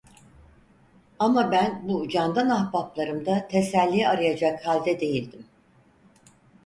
Ama ben bu candan ahbaplarımda teselli arayacak halde değildim.